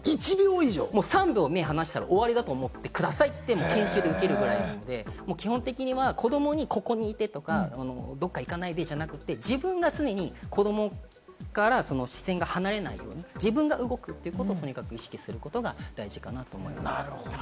３秒目を離したら終わりだと思ってくださいと研修を受けるぐらい、基本的には、子どもに、ここにいてとかどっか行かないでじゃなくて、自分が常に子どもから視線が離れないように自分が動くことを意識することが大事かなと思います。